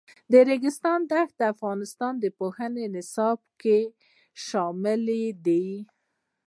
د ریګ دښتې د افغانستان د پوهنې نصاب کې شامل دي.